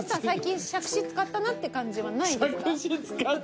最近杓子使ったなって感じはないんですか？